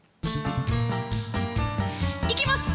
いきます！